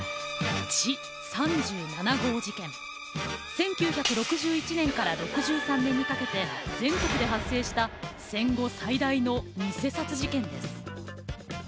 １９６１年から６３年にかけて全国で発生した戦後最大の偽札事件です。